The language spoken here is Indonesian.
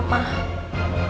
nggak urusin mama